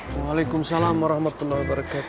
waalaikumsalam warahmatullah wabarakatuh